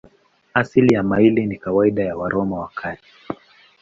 Asili ya maili ni kawaida ya Waroma wa Kale.